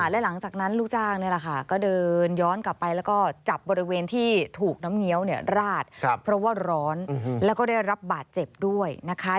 และหลังจากนั้นลูกจ้างนี่แหละค่ะก็เดินย้อนกลับไปแล้วก็จับบริเวณที่ถูกน้ำเงี้ยวราดเพราะว่าร้อนแล้วก็ได้รับบาดเจ็บด้วยนะคะ